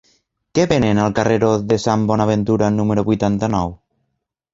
Què venen al carreró de Sant Bonaventura número vuitanta-nou?